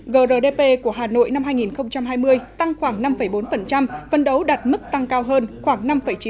grdp của hà nội năm hai nghìn hai mươi tăng khoảng năm bốn phân đấu đạt mức tăng cao hơn khoảng năm chín